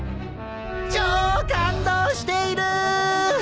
超感動している！